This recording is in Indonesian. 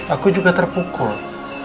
aku juga terpukul